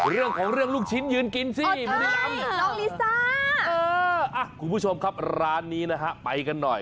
เรื่องของเรื่องลูกชิ้นยืนกินสิบุรีรำน้องลิซ่าคุณผู้ชมครับร้านนี้นะฮะไปกันหน่อย